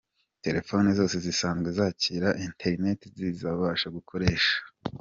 Telefone zose zisanzwe zakira internet zizabasha gukoresha.